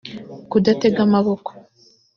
kudatega amaboko